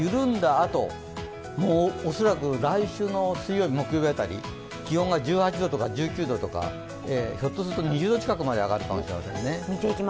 あと、恐らく来週の水曜日、木曜日辺り、気温が１８度とか１９度とか、ひょっとすると２０度近くまで上がるかもしれませんね。